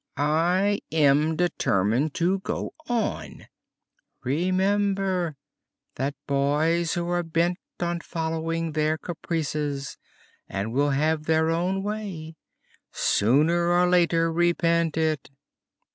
"I am determined to go on." "Remember that boys who are bent on following their caprices, and will have their own way, sooner or later repent it."